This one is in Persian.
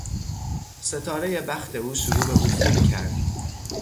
ستارهی بخت او شروع به افول کرد.